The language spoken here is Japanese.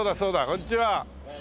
こんにちは。